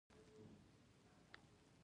ښوونځی موږ له دنیا سره بلدوي